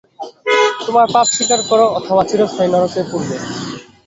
তোমার পাপ স্বীকার করো অথবা চিরস্থায়ী নরকে পুড়বে।